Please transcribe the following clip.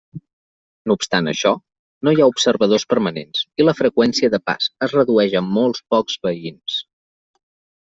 No obstant això, no hi ha observadors permanents i la freqüència de pas es redueix a molt pocs veïns.